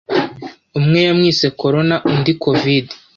Umwe yamwise Corona na undi Covid.